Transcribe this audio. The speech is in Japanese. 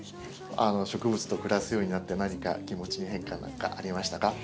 植物と暮らすようになって何か気持ちの変化なんかありましたか？